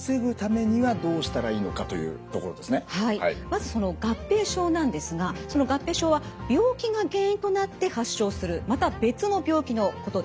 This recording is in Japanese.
まずその合併症なんですがその合併症は病気が原因となって発症するまた別の病気のことです。